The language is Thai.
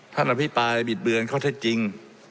อภิปรายบิดเบือนข้อเท็จจริง